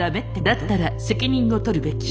「だったら責任を取るべき」